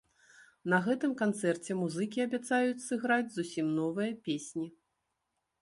На гэтым канцэрце музыкі абяцаюць сыграць зусім новыя песні.